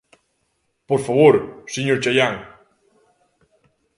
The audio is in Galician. ¡Por favor, señor Chaián!